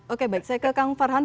oke baik saya ke kang farhan